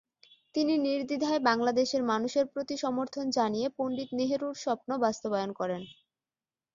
তিনি নির্দ্বিধায় বাংলাদেশের মানুষের প্রতি সমর্থন জানিয়ে পণ্ডিত নেহরুর স্বপ্ন বাস্তবায়ন করেন।